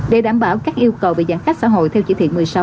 để đảm bảo các yêu cầu về giãn cách xã hội theo chỉ thị một mươi sáu